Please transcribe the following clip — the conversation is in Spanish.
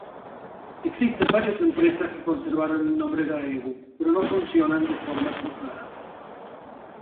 Existen varias empresas que conservaron el nombre Daewoo, pero no funcionan de forma cruzada.